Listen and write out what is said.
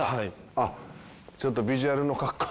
あっちょっとビジュアルの。